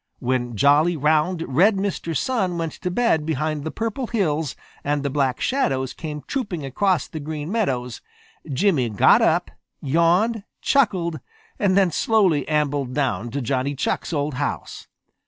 When jolly, round, red Mr. Sun went to bed behind the Purple Hills, and the Black Shadows came trooping across the Green Meadows, Jimmy got up, yawned, chuckled, and then slowly ambled down to Johnny Chuck's old house.